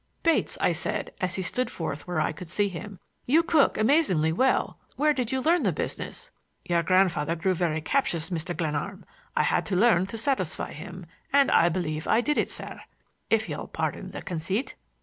"Bates," I said, as he stood forth where I could see him, "you cook amazingly well. Where did you learn the business?" "Your grandfather grew very captious, Mr. Glenarm. I had to learn to satisfy him, and I believe I did it, sir, if you'll pardon the conceit."